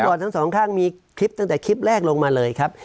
อดทั้งสองข้างมีคลิปตั้งแต่คลิปแรกลงมาเลยครับ